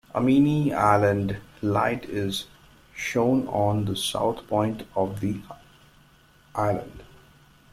Amini Island Light is shown on the south point of the island.